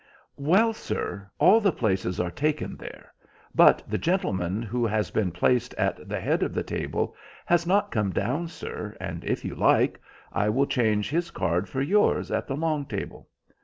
"Well, sir, all the places are taken there; but the gentleman who has been placed at the head of the table has not come down, sir, and if you like I will change his card for yours at the long table."